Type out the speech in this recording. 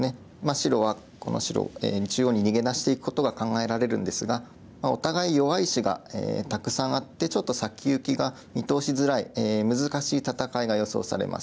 白はこの白中央に逃げ出していくことが考えられるんですがお互い弱い石がたくさんあってちょっと先行きが見通しづらい難しい戦いが予想されます。